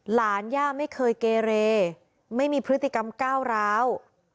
หลานย่าไม่เคยเกเรไม่มีพฤติกรรมก้าวร้าว